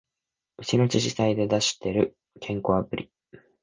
うちの自治体で出してる健康アプリ